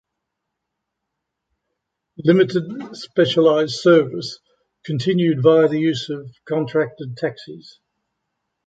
Limited specialized service continued via the use of contracted taxis.